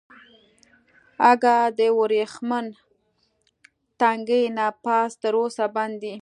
اگه د ورېښمين تنګي نه پس تر اوسه بند دی.